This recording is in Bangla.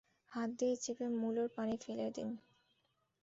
হাত দিয়ে চেপে মূলার পানি ফেলে দিন।